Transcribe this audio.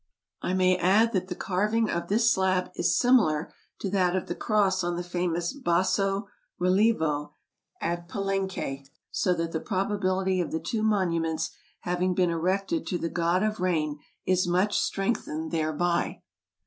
I may add that the carving of this slab is similar to that of the cross on the famous basso relievo at Palenque; so that the probability of the two monuments having been erected to the god of rain is much strengthened thereby.